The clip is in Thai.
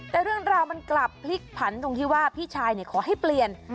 แต่เรื่องราวมันกลับพลิกผันตรงที่ว่าพี่ชายขอให้เปลี่ยน